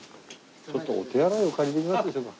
ちょっとお手洗いお借りできますでしょうか？